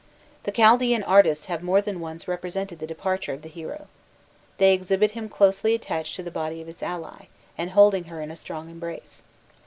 The Chaldaean artists have more than once represented the departure of the hero. They exhibit him closely attached to the body of his ally, and holding her in a strong embrace.